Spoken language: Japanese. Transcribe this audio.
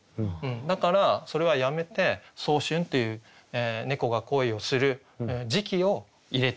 だからそれはやめて「早春」っていう猫が恋をする時期を入れてあげるとぴったり来ると。